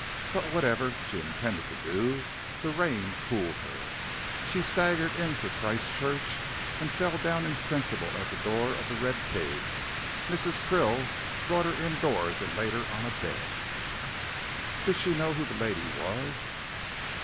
But whatever she intended to do, the rain cooled her. She staggered into Christchurch and fell down insensible at the door of 'The Red Pig.' Mrs. Krill brought her indoors and laid her on a bed." "Did she know who the lady was?"